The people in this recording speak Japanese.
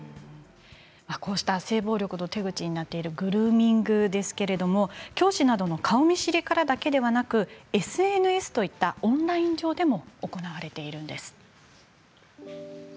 こうした性暴力の手口になっているグルーミングですけれど教師などの顔見知りからだけではなくＳＮＳといったオンライン上でも行われているんです。